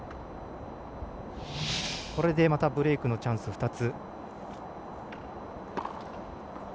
これで、またブレークのチャンスが２つ。